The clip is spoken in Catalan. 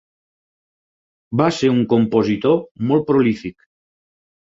Va ser un compositor molt prolífic.